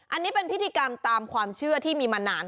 อันนี้เป็นพิธีกรรมตามความเชื่อที่มีมานาน